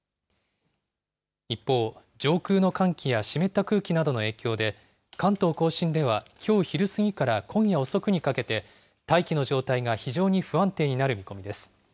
一方、上空の寒気や湿った空気などの影響で、関東甲信ではきょう昼過ぎから今夜遅くにかけて大気の状態が非常に不安定になる見込みです。